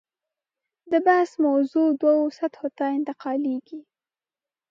د بحث موضوع دوو سطحو ته انتقالېږي.